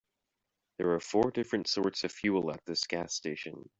There are four different sorts of fuel at this gas station.